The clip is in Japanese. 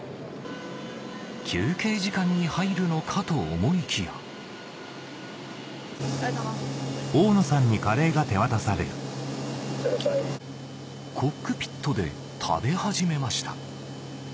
休憩時間に入るのかと思いきやコックピットで食べ始めました